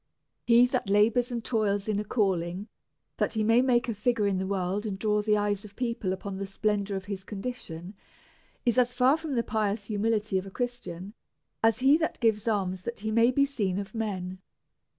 He that labours and toils in a calling , that makes a figure in the world, and draws the eyes of people upon the splendour of his condition, is as far from the pious humility of a Chris tian as he that gives alms that he may be seen of men.